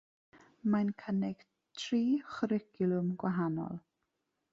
Mae'n cynnig tri chwricwlwm gwahanol.